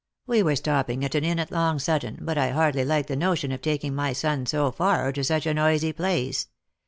We were stopping at an inn at Long Sutton, but I hardly like the notion of tak ing my son so far, or to such a noisy place.